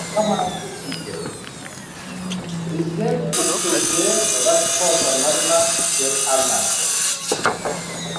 Prezident o‘qituvchi va shifokorlar bilan fikr almashdi